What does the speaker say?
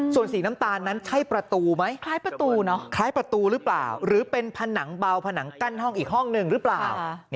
ส่วนสีน้ำตาลนั้นใช่ประตูไหมคล้ายประตูเนอะคล้ายประตูหรือเปล่าหรือเป็นผนังเบาผนังกั้นห้องอีกห้องหนึ่งหรือเปล่า